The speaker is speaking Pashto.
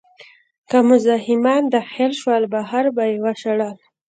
که مزاحمان داخل شول، بهر به یې وشړل.